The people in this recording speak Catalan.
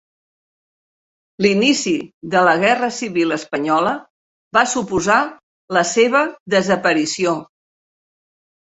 L'inici de la Guerra Civil Espanyola va suposar la seva desaparició.